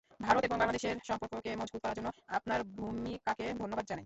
ভারত এবং বাংলাদেশের সম্পর্ককে মজবুত করার জন্য আপনার ভূমিকাকে ধন্যবাদ জানাই।